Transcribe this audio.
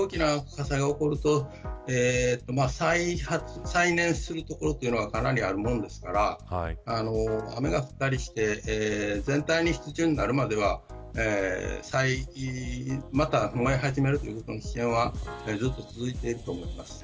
大きな火災が起こると再燃するところというのはかなりあるものですから雨が降ったりして全体に湿潤になるまではまた燃え始める危険はずっと続いていると思います。